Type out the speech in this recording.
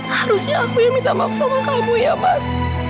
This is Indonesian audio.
harusnya aku yang minta maaf sama kamu ya mas